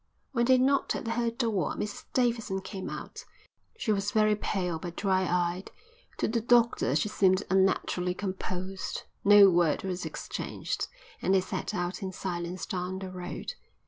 When they knocked at her door Mrs Davidson came out. She was very pale, but dry eyed. To the doctor she seemed unnaturally composed. No word was exchanged, and they set out in silence down the road.